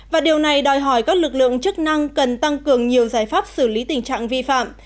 và điều này đòi hỏi các lực lượng chức năng cần tăng cường nhiều giải pháp xử lý tình trạng vi phạm